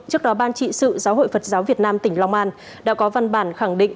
trước đó ban trị sự giáo hội phật giáo việt nam tỉnh long an đã có văn bản khẳng định